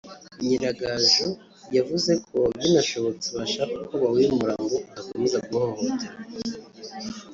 Nyiragaju yavuze ko binashobotse bashaka uko bawimura ngo udakomeza guhohoterwa